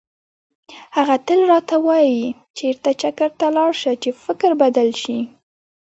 هغه تل راته وایي چېرته چکر ته لاړ شه چې فکر بدل شي.